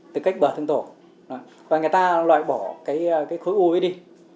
từ cái bờ thương tổn và người ta loại bỏ cái khối u ấy đi